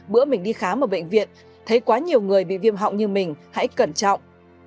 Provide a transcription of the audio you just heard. bữa mình đi khám ở bệnh viện thấy quá nhiều người bị viêm họng như mình hãy cẩn trọng